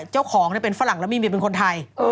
เจ้าของเป็นฝรั่งแล้วมีเมียเป็นคนไทย